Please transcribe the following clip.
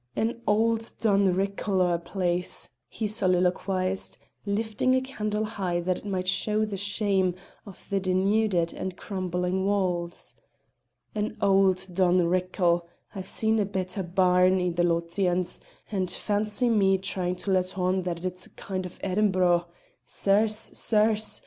"An auld done rickle o' a place!" he soliloquised, lifting a candle high that it might show the shame of the denuded and crumbling walls. "An auld done rickle: I've seen a better barn i' the Lothians, and fancy me tryin' to let on that it's a kind o' Edinbro'! Sirs! sirs!